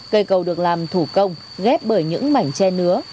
cây cầu được làm thủ công ghép bởi những mảnh che nứa